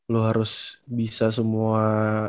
lu harus bisa semua